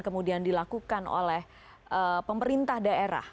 kemudian dilakukan oleh pemerintah daerah